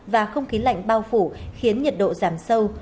và không khí lạnh bao phủ khiến nhiệt độ giảm sâu